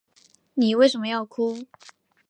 妳为什么要哭